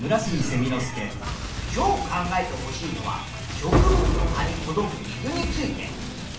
今日考えてほしいのは植物の葉に届く水について。